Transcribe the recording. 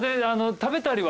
食べたりは？